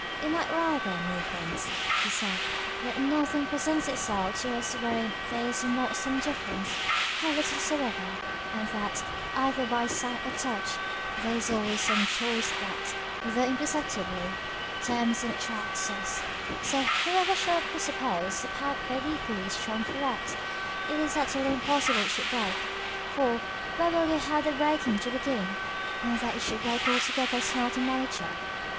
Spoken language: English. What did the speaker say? It might rather, methinks, he said, that nothing presents itself to us wherein there is not some difference, how little soever; and that, either by the sight or touch, there is always some choice that, though it be imperceptibly, tempts and attracts us; so, whoever shall presuppose a packthread equally strong throughout, it is utterly impossible it should break; for, where will you have the breaking to begin? and that it should break altogether is not in nature.